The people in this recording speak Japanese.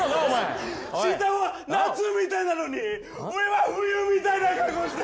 下は夏みたいなのに上は冬みたいな格好して。